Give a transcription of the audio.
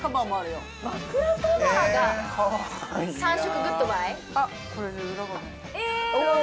枕カバーが３色グッドバイえーっ